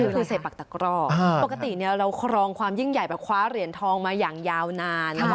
ก็คือใส่ปากตะกร่อปกติเราครองความยิ่งใหญ่แบบคว้าเหรียญทองมาอย่างยาวนาน